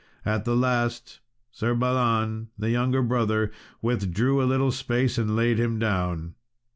At the last, Sir Balan, the younger brother, withdrew a little space and laid him down.